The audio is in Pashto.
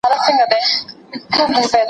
نور به له پالنګ څخه د جنګ خبري نه کوو